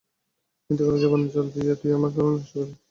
মৃত্যুকালে যবনের জল দিয়া তুই আমার ধর্ম নষ্ট করিলি।